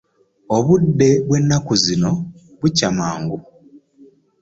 Obudde bw'ennaku zino bukya mangu.